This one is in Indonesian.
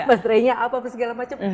baterainya apa segala macam